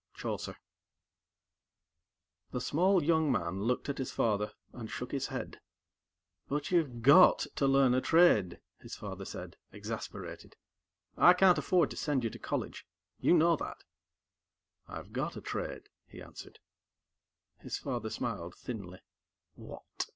_" Chaucer The small young man looked at his father, and shook his head. "But you've got to learn a trade," his father said, exasperated. "I can't afford to send you to college; you know that." "I've got a trade," he answered. His father smiled thinly. "What?"